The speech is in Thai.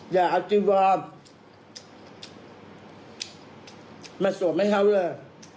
อย่าเอาจีวอมาสวบให้เขาเลย